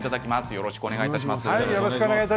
よろしくお願いします。